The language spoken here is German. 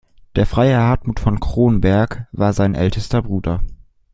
Der Freiherr Hartmut von Cronberg war sein älterer Bruder.